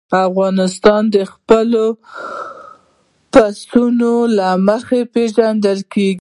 افغانستان د خپلو پسونو له مخې پېژندل کېږي.